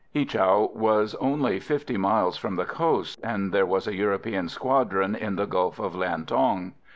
Ichau was only fifty miles from the coast, and there was a European squadron in the Gulf of Liantong.